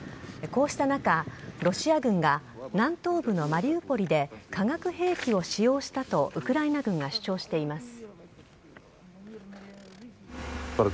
こうした中、ロシア軍が南東部のマリウポリで化学兵器を使用したとウクライナ軍が主張しています。